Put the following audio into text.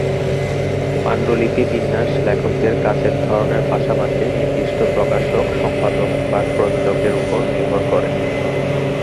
পাণ্ডুলিপি বিন্যাস লেখকদের কাজের ধরনের পাশাপাশি নির্দিষ্ট প্রকাশক, সম্পাদক বা প্রযোজকের উপর নির্ভর করে।